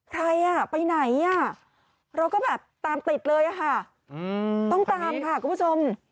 ใครไปไหนเราก็แบบตามติดเลยต้องตามค่ะคุณผู้ชม